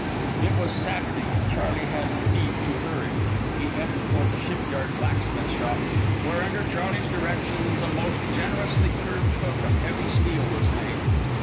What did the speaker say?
It was Saturday, and Charley had need to hurry. We headed for the shipyard blacksmith shop, where, under Charley's directions, a most generously curved hook of heavy steel was made.